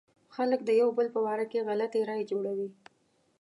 خلک د يو بل په باره کې غلطې رايې جوړوي.